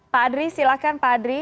pak adri silahkan pak adri